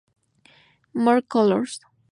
More Colours!